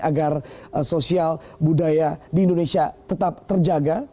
agar sosial budaya di indonesia tetap terjaga